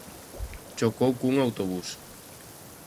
Chocou cun autobús.